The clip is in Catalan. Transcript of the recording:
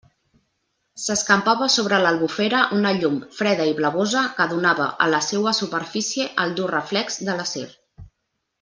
S'escampava sobre l'Albufera una llum freda i blavosa, que donava a la seua superfície el dur reflex de l'acer.